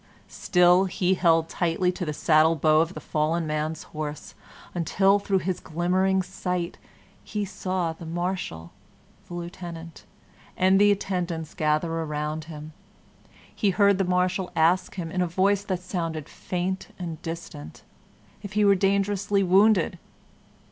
Still he held tightly to the saddle bow of the fallen man's horse until, through his glimmering sight, he saw the Marshal, the Lieutenant, and the attendants gather around him. He heard the Marshal ask him, in a voice that sounded faint and distant, if he was dangerously wounded.